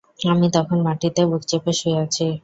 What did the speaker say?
আমি তখন মাটিতে বুক চেপে শুয়ে আছি।